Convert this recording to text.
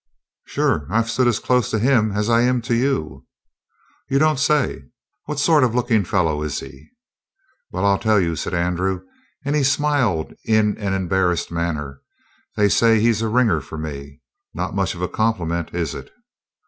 "Sure. I've stood as close to him as I am to you." "You don't say so! What sort of a looking fellow is he?" "Well, I'll tell you," said Andrew, and he smiled in an embarrassed manner. "They say he's a ringer for me. Not much of a compliment, is it?"